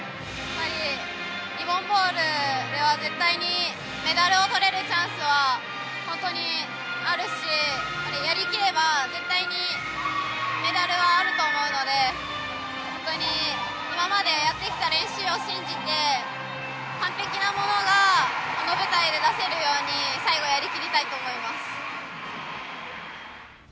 リボン・ボールでは絶対にメダルをとれるチャンスは本当にあるし、やり切れば絶対にメダルはあると思うので本当に今までやってきた練習を信じて完璧なものがこの舞台で出せるように最後、やり切りたいと思います。